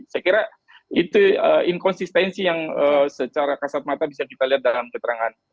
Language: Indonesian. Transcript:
saya kira itu inkonsistensi yang secara kasat mata bisa kita lihat dalam keterangan